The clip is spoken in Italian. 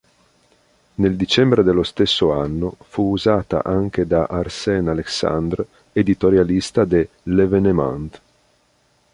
Nel dicembre dello stesso anno fu usata anche da Arsène Alexandre, editorialista de "L'Evénement".